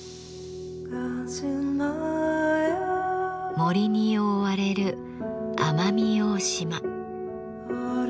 森に覆われる奄美大島。